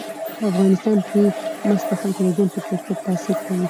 په افغانستان کې مس د خلکو د ژوند په کیفیت تاثیر کوي.